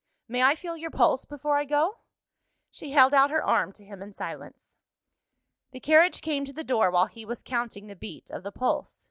"May I feel your pulse before I go?" She held out her arm to him in silence. The carriage came to the door while he was counting the beat of the pulse.